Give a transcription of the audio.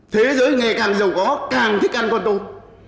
thế giới ngày càng giàu có càng thích ăn con tôm